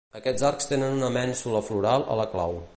Aquests arcs tenen una mènsula floral a la clau.